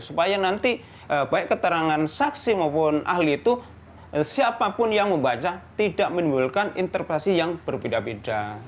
supaya nanti baik keterangan saksi maupun ahli itu siapapun yang membaca tidak menimbulkan interpelasi yang berbeda beda